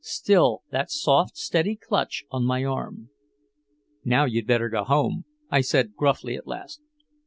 Still that soft steady clutch on my arm. "Now you'd better go home," I said gruffly at last.